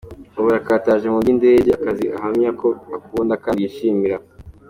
Ubu arakataje mu by’indege, akazi ahamya ko akunda kandi yishimira cyane.